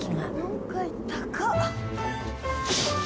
４階高っ！